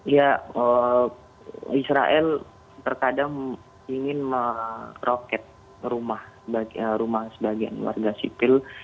ya israel terkadang ingin meroket rumah sebagian warga sipil